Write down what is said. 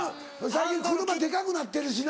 最近車デカくなってるしな。